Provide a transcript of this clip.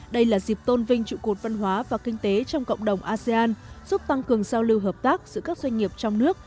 đây là dịp tôn vinh trụ cột văn hóa và kinh tế trong cộng đồng asean giúp tăng cường giao lưu hợp tác giữa các doanh nghiệp trong nước